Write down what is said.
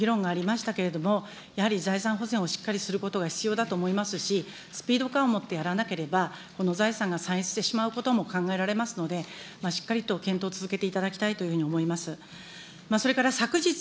これまでもいろいろな議論がありましたけれども、やはり財産保全をしっかりすることが必要だと思いますし、スピード感を持ってやらなければ、この財産が散逸してしまうことも考えられますので、しっかりと検討を続けていただきたいと思います。